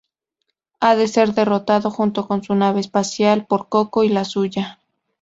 Ha de ser derrotado junto con su nave espacial por Coco y la suya.